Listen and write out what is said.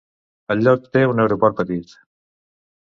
El lloc té un aeroport petit.